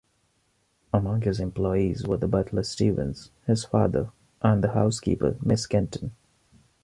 Among his employees were the butler Stevens, his father, and the housekeeper Miss Kenton.